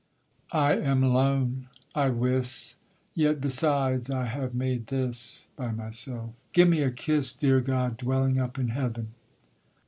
_ I am lone, I wis, Yet besides I have made this By myself: _Give me a kiss, Dear God dwelling up in heaven!